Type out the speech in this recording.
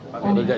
pak tunggu bapak